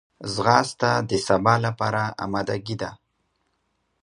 ځغاسته د سبا لپاره آمادګي ده